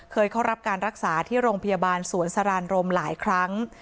เคยเข้ารับการรักษาที่โรงพยาบาลสวนสรานรมหลายครั้ง